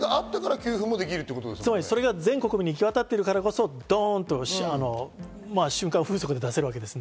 全国民にそれが行き渡っているからこそどんと瞬間風速で出せるわけです。